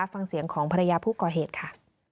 ฟังเสียงของภรรยาผู้ก่อเหตุค่ะ